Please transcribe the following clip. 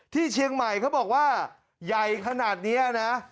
ที่เชียงใหม่เขาบอกว่าใหญ่ขนาดนี้นะ